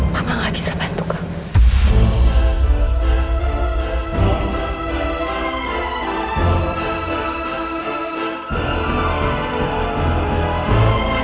mama gak bisa bantu kamu